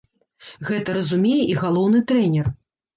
Гэта разумее і галоўны трэнер.